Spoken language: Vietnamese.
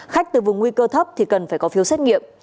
khách từ vùng nguy cơ thấp thì cần phải có phiếu xét nghiệm